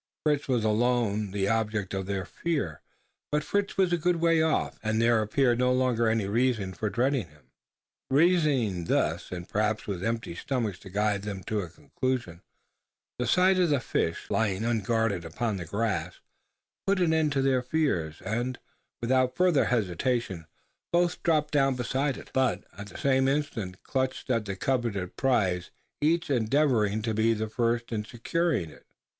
Fritz was alone the object of their fear, but Fritz was a good way off, and there appeared no longer any reason for dreading him. Reasoning thus and perhaps with empty stomachs to guide them to a conclusion the sight of the fish lying unguarded upon the grass put an end to their fears; and, without further hesitation, both dropped down beside it. Both at the same instant clutched at the coveted prize each endeavouring to be the first in securing it.